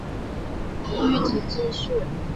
后于该年六月十八日礼置天台奉领玉旨济世。